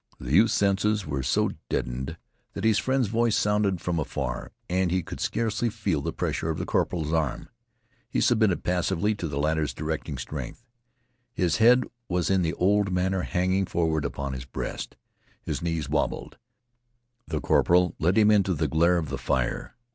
The youth's senses were so deadened that his friend's voice sounded from afar and he could scarcely feel the pressure of the corporal's arm. He submitted passively to the latter's directing strength. His head was in the old manner hanging forward upon his breast. His knees wobbled. The corporal led him into the glare of the fire.